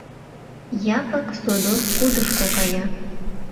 Япык содор кудышко кая.